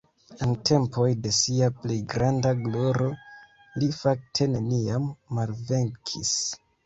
En tempoj de sia plej granda gloro li fakte neniam malvenkis.